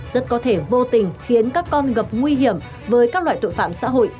rất có thể vô tình khiến các con gặp nguy hiểm với các loại tội phạm xã hội